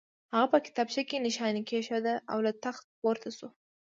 هغه په کتابچه کې نښاني کېښوده او له تخت پورته شو